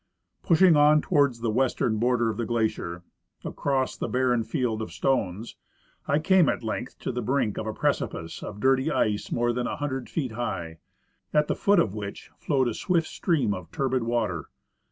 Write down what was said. Pushing on toward the western border of the glacier, across the barren field of stones, I came at length to the brink of a precipice of dirty ice more than a hundred feet high, at the foot of which flowed a swift stream of turbid water.